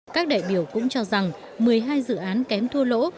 các đại biểu cũng cho rằng một mươi hai dự án kém thua lỗ